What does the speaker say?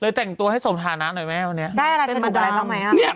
เลยแต่งตัวให้สมธารณะหน่อยไหมอันนี้เป็นบุคลัมภ์ได้อะไรเป็นบุคลัมภ์